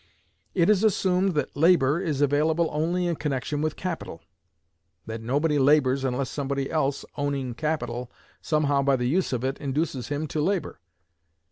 It is assumed that labor is available only in connection with capital; that nobody labors unless somebody else, owning capital, somehow, by the use of it, induces him to labor.